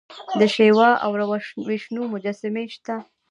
د شیوا او وشنو مجسمې شته